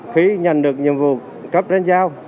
khi nhận được nhiệm vụ cấp trên giao